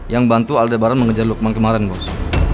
yang bantu aldebar mengejar lukman kemarin bos